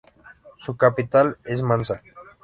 Su capital es Mansa.